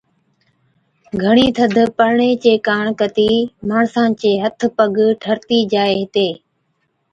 گھڻِي ٿڌ پڙڻي چي ڪاڻ ڪتِي ماڻسان چي هٿ پگ ٺٺرتِي جائي هِتي۔